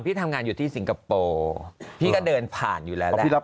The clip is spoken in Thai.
พี่ทำงานอยู่ที่สิงคโปร์พี่ก็เดินผ่านอยู่แล้วแหละ